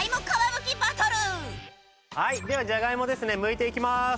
はいではじゃがいもですねむいていきまーす。